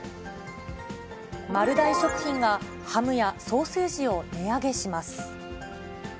丸大食品が、ハムやソーセージを値上げします。